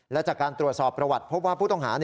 และจากการตรวจสอบประวัติพบว่าผู้ต้องหา